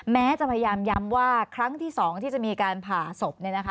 แม้จะพยายามย้ำว่าครั้งที่๒ที่จะมีการผ่าศพ